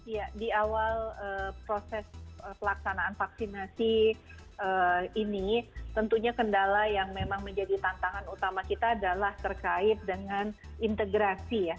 ya di awal proses pelaksanaan vaksinasi ini tentunya kendala yang memang menjadi tantangan utama kita adalah terkait dengan integrasi ya